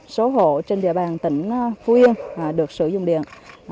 số hộ trên địa bàn tỉnh phú yên được sử dụng điện